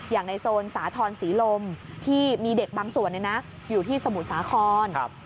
ในโซนสาธรณศรีลมที่มีเด็กบางส่วนอยู่ที่สมุทรสาคร